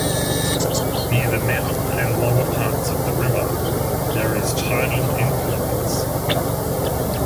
Near the mouth and lower parts of the river, there is tidal influence.